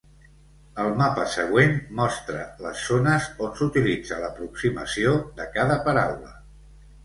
El mapa següent mostra les zones on s'utilitza l'aproximació de cada paraula.